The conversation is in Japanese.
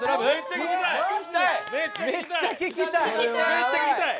めっちゃ聴きたい！